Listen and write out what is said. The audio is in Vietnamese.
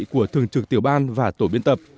của thường trực tiểu ban và tổ biên tập